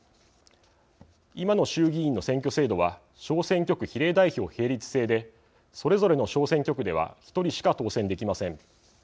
今の衆議院の選挙制度は小選挙区比例代表並立制でそれぞれの小選挙区では１人しか当選できません。